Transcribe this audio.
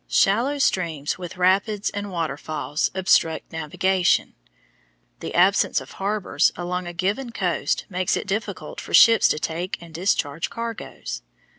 Shallow streams with rapids and waterfalls obstruct navigation. The absence of harbors along a given coast makes it difficult for ships to take and discharge cargoes.